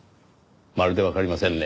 まるでわかりませんね。